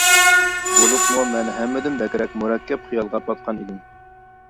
بولۇپمۇ مەن ھەممىدىن بەكرەك مۇرەككەپ خىيالغا پاتقان ئىدىم.